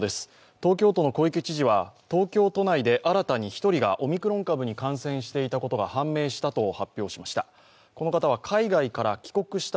東京都の小池知事は東京都内で新たに１人がオミクロン株に感染していたことが判明したと発表しました。